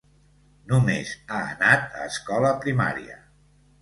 Només ha anat a escola primària.